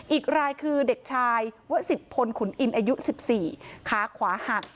อีกรายคือเด็กชายวสิทธพลขุนอินอายุ๑๔ขาขวาหัก